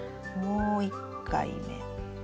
もう一回目。